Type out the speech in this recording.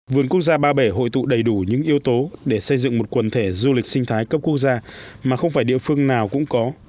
vườn quốc gia ba bể hội tụ đầy đủ những yếu tố để xây dựng một quần thể du lịch sinh thái cấp quốc gia mà không phải địa phương nào cũng có